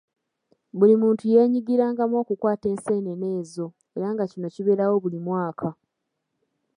Buli muntu yeenyigirangamu okukwata enseenene ezo, era nga kino kibeerawo buli mwaka.